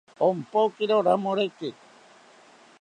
Ompokiro ramoreke